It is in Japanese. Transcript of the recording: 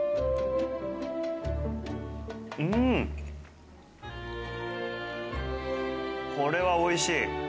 うん、これはおいしい！